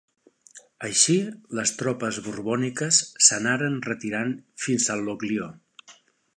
Així, les tropes borbòniques s'anaren retirant fins a l'Oglio.